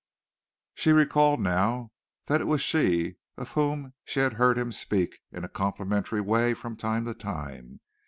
She recalled now that it was she of whom she had heard him speak in a complimentary way from time to time.